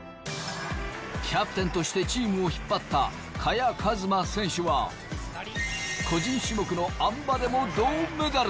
キャプテンとしてチームを引っ張った萱和磨選手は個人種目のあん馬でも銅メダル。